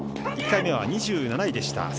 １回目は２７位でした。